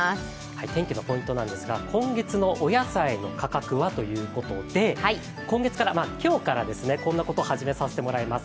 天気のポイントなんですが今月のお野菜の価格はということで今日からこんなことを始めさせていただきます。